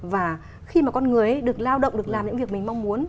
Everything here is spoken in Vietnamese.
và khi mà con người được lao động được làm những việc mình mong muốn